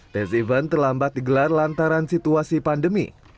tes event terlambat digelar lantaran situasi pandemi